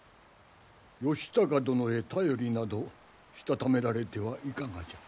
義高殿へ便りなどしたためられてはいかがじゃ？